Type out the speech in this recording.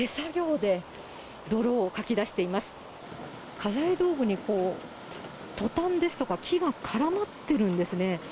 家財道具にこう、トタンですとか、木がからまってるんですね。